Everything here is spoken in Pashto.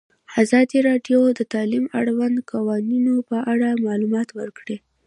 ازادي راډیو د تعلیم د اړونده قوانینو په اړه معلومات ورکړي.